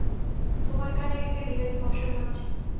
তোমার কানে একটা ডিভাইস বসানো আছে।